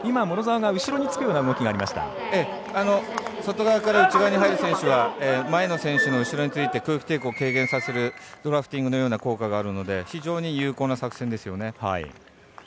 モロゾワが後ろにつくような外側から内側に入る選手は前の選手の後ろについて空気抵抗を軽減させるドラフティングのような効果があるので非常に有効な作戦ですよね。